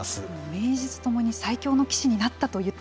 名実ともに最強の棋士になったと言っていいでしょうか。